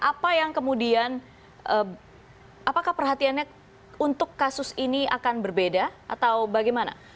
apa yang kemudian apakah perhatiannya untuk kasus ini akan berbeda atau bagaimana